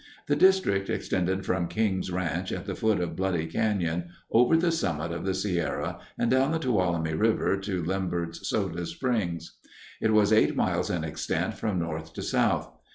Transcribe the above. The district extended from King's Ranch, at the foot of Bloody Canyon, over the summit of the Sierra and down the Tuolumne River to Lembert's Soda Springs. It was eight miles in extent from north to south.